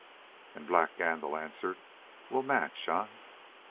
And Black Gandil answered: "We'll match, eh?"